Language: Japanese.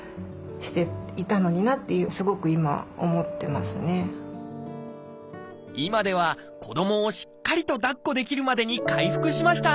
もし今では子どもをしっかりと抱っこできるまでに回復しました。